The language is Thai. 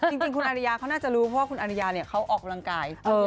จริงคุณอนุญาเขาน่าจะรู้เพราะว่าคุณอนุญาเขาออกกำลังกาย